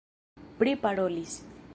priparolis